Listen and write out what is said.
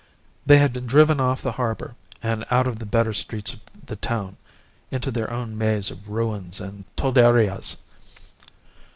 They had been driven off the harbour, and out of the better streets of the town, into their own maze of ruins and tolderias.